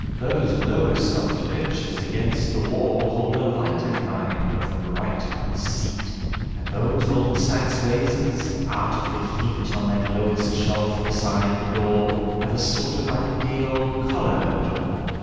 Those Lowestoft pitchers against the wall Hold a lighter kind of bright conceit; And those old Saxe vases, out of the heat On that lowest shelf beside the door, Have a sort of Ideal, "couleur d'or".